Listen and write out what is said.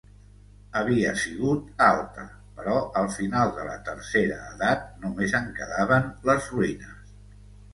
Havia sigut alta, però al final de la Tercera Edat només en quedaven les ruïnes.